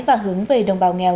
và hướng về đồng bào nghèo